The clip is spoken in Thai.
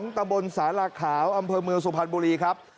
ตะบนสาราขาวอำเภอเมืองสุพรรณบุรีครับ